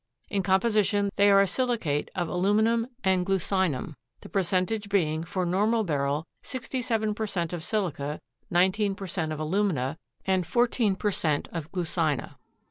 In composition they are a silicate of aluminum and glucinum, the percentage being, for normal beryl, 67 per cent of silica, 19 per cent of alumina and 14 per cent of glucina.